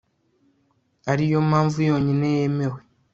ari yo mpamvu yonyine yemewe